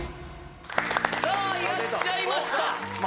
さあいらっしゃいました。